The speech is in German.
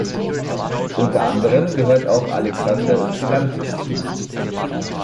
Unter anderem gehört auch Alexander Ypsilantis zu ihnen.